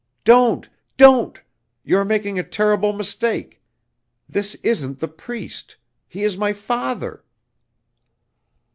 "Don't! Don't! You are making a terrible mistake. This isn't the Priest he is my father."